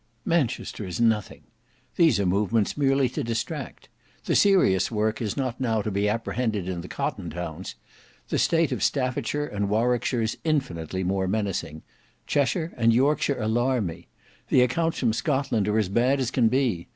"Manchester is nothing; these are movements merely to distract. The serious work is not now to be apprehended in the cotton towns. The state of Staffordshire and Warwickshire is infinitely more menacing. Cheshire and Yorkshire alarm me. The accounts from Scotland are as bad as can be.